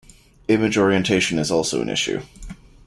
Image orientation is also an issue.